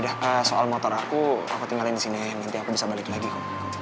udah soal motor aku aku tinggalin disini nanti aku bisa balik lagi kok